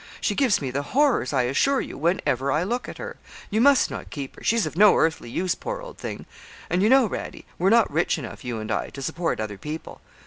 She gives me the horrors, I assure you, whenever I look at her; you must not keep her, she's of no earthly use, poor old thing; and, you know, Radie, we're not rich enough you and I to support other people.